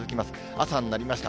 朝になりました。